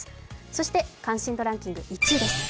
そして関心度ランキング１位です。